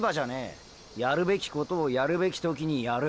やるべきことをやるべき時にやる。